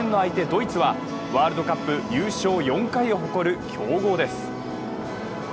ドイツはワールドカップ優勝４回を誇る強豪です。